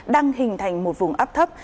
đang hình thành một vùng áp thấp